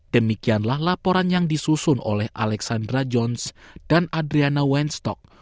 demikianlah laporan yang disusun oleh alexandra jones dan adriana wenstock